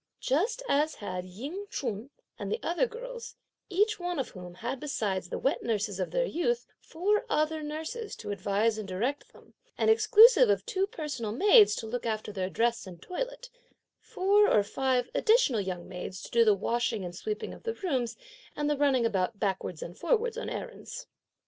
Just as had Ying Ch'un and the other girls, each one of whom had besides the wet nurses of their youth, four other nurses to advise and direct them, and exclusive of two personal maids to look after their dress and toilette, four or five additional young maids to do the washing and sweeping of the rooms and the running about backwards and forwards on errands.